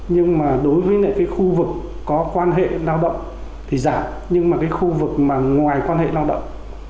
nhưng mà đối với khu vực có quan hệ lao động thì giảm nhưng mà khu vực ngoài quan hệ lao động